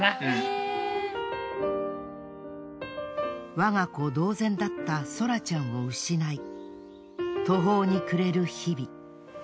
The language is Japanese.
我が子同然だったソラちゃんを失い途方に暮れる日々。